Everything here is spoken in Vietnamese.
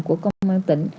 của công an tỉnh